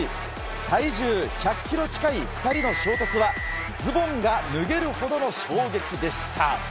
体重１００キロ近い２人の衝突は、ズボンが脱げるほどの衝撃でした。